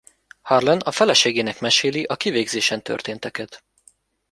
Harlan a feleségének meséli a kivégzésen történeteket.